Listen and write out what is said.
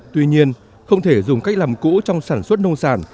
tuy nhiên không thể dùng cách làm cũ trong sản xuất nông sản